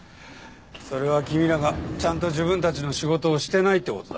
それは君らがちゃんと自分たちの仕事をしてないって事だろ。